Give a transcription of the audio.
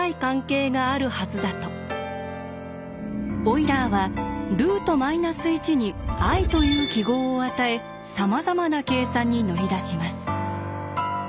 オイラーはルートマイナス１に「ｉ」という記号を与えさまざまな計算に乗り出します。